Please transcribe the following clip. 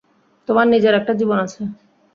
তোমার নিজের একটা জীবন আছে।